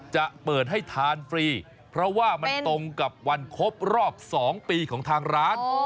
จะเปิดให้ทานฟรีเพราะว่ามันตรงกับวันครบรอบ๒ปีของทางร้าน